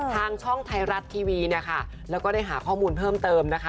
ทางช่องไทยรัฐทีวีเนี่ยค่ะแล้วก็ได้หาข้อมูลเพิ่มเติมนะคะ